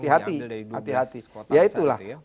diambil dari dua bis kota hati hati